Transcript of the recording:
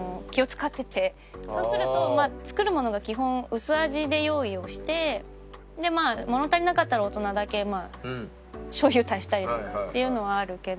そうすると作るものが基本薄味で用意をして物足りなかったら大人だけしょう油足したりとかっていうのはあるけど。